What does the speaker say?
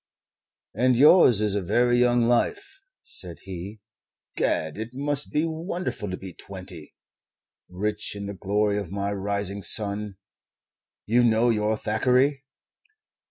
"And yours is a very young life," said he. "Gad! it must be wonderful to be twenty. 'Rich in the glory of my rising sun.' You know your Thackeray?"